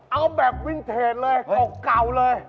เอาแบบวินเทจเลยเก่าเลย